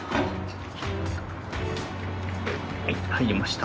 はい入りました。